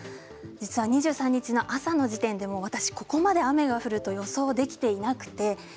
実は２３日朝の時点でも私はここまで雨が降ると予想できていませんでした。